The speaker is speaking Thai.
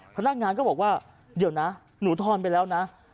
พนักงานก็บอกว่าเดี๋ยวนะหนูทอนไปแล้วนะ